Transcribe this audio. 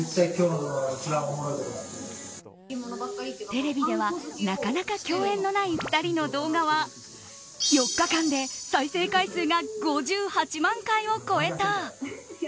テレビではなかなか共演のない２人の動画は４日間で再生回数が５８万回を超えた。